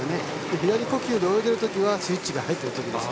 左呼吸で泳いでいるときはスイッチが入っているときです。